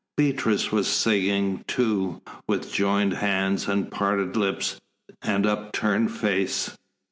Beatrice was singing, too, with joined hands, and parted lips, and upturned face.